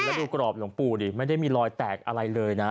แล้วดูกรอบหลวงปู่ดิไม่ได้มีรอยแตกอะไรเลยนะ